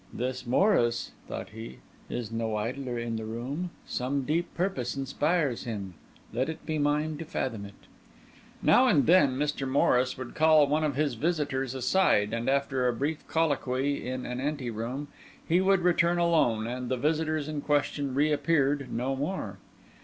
"This Morris," thought he, "is no idler in the room. Some deep purpose inspires him; let it be mine to fathom it." Now and then Mr. Morris would call one of his visitors aside; and after a brief colloquy in an ante room, he would return alone, and the visitors in question reappeared no more.